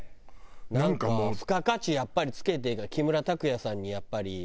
なんか付加価値やっぱり付けて木村拓哉さんにやっぱり。